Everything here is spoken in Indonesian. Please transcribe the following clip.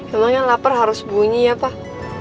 emang yang lapar harus bunyi ya pak